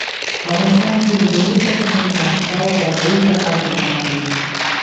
په افغانستان کې د ژورې سرچینې د اړتیاوو پوره کولو لپاره اقدامات کېږي.